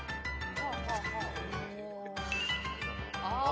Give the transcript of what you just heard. あ！